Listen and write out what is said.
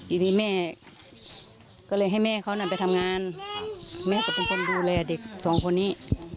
ทีนี้แม่ก็เลยให้แม่เขานั้นไปทำงานแม่ก็เป็นคนดูแลเด็กสองคนนี้